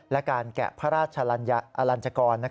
และการแกะพระราชอลัญจกร